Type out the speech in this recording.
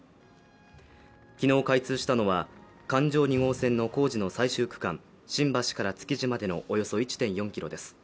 昨日、開通したのは環状２号線の工事の最終区間新橋から築地までのおよそ１．４ｋｍです。